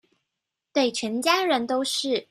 對全家人都是